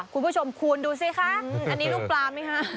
คุณผู้ชมคูณดูสิคะอันนี้ลูกปลาไหมคะ